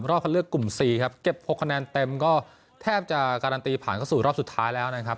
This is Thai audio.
คันเลือกกลุ่ม๔ครับเก็บ๖คะแนนเต็มก็แทบจะการันตีผ่านเข้าสู่รอบสุดท้ายแล้วนะครับ